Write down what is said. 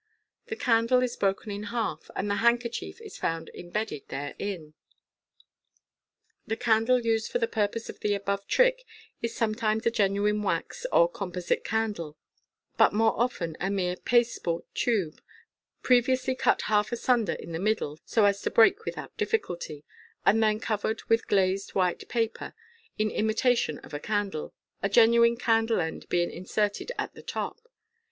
The candle is broken in half, and the handkerchief is found embedded therein. The candle used for the purpose of the above trick is sometimes a genuine wax or composite candle, but more often a mere pasteboard tube, previously cut half asunder in the middle (so as to break with out difficulty), and then covered with glazed white paper, in imitation of a candle, a genuine candle end being inserted at the top.